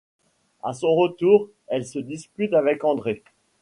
À son retour, elle se dispute avec André.